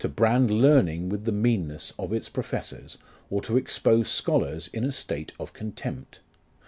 brand learning with the meanness of its professors, or to expose scholars in a state of contempt.